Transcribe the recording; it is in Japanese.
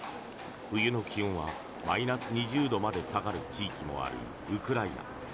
冬の気温はマイナス２０度まで下がる地域もあるウクライナ。